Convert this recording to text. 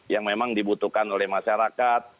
yang memang dibutuhkan oleh masyarakat